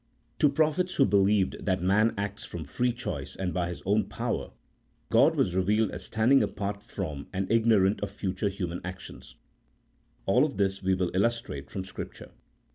To prophets who believed that man acts from free choice and by his own power, G od was revealed as standing apart from and ignorant of future human actions. All of which we will illustrate from Scripture.